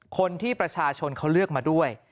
คนที่ประชาชนเขาเลือกมาด้วย